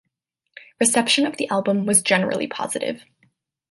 Reception of the album was generally positive.